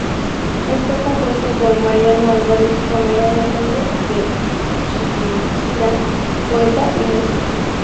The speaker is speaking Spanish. El fue compuesto por Mariano Álvarez Romero notario de Chiquinquirá, poeta y músico.